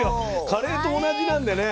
カレーと同じなんでね